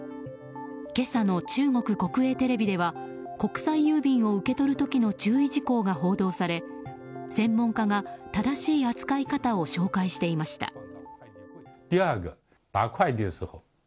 今朝の中国国営テレビでは国際郵便を受け取る時の注意事項が報道され、専門家が正しい扱い方を紹介していました。